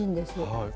はい。